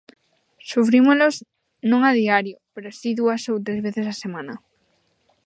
Sufrímolos non a diario, pero si dúas ou tres veces á semana.